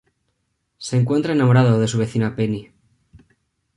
Se encuentra enamorado de su vecina Penny.